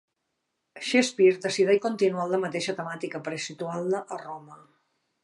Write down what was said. Shakespeare decideix continuar amb la mateixa temàtica però situant-la a Roma.